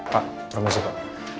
pak permisi pak